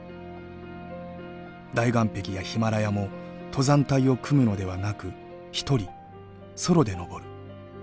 大岩壁やヒマラヤも登山隊を組むのではなく１人ソロで登る。